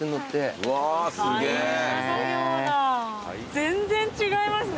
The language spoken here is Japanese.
全然違いますね